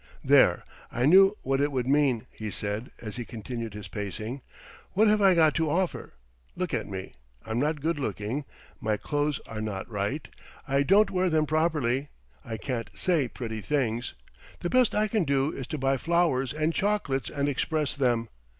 "There, I knew what it would mean," he said, as he continued his pacing. "What have I got to offer? Look at me. I'm not good looking. My clothes are not right. I don't wear them properly. I can't say pretty things. The best I can do is to buy flowers and chocolates and express them.